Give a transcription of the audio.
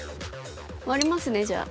割りますねじゃあ。